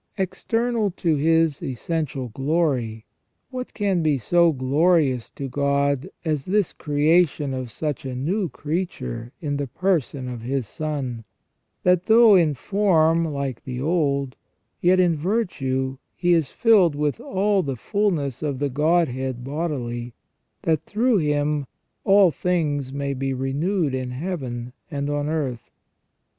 External to His essential glory, what can be so glorious to God as this creation of such a new creature in the person of His Son, that though in form like the old, yet in virtue He is filled with all the fulness of the Godhead bodily, that through Him all things may be renewed in Heaven and on earth